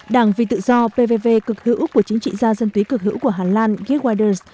đảng vị tự do của chính trị gia dân túy cực hữu của hà lan geert wijders